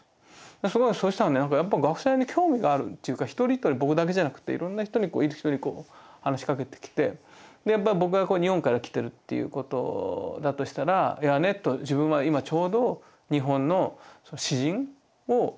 すごいその人はねやっぱ学生に興味があるっていうか一人一人僕だけじゃなくていろんな人に一人一人話しかけてきて僕が日本から来てるっていうことだとしたら「いやね自分は今ちょうど日本の詩人を翻訳してるんだよ」と。